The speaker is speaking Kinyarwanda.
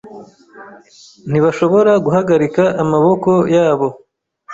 Ntibashobora guhagarika amaboko yabo.